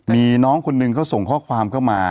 มีน้องคนหนึ่งเขาส่งข้อความเข้ามา